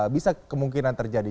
bisa kemungkinan terjadi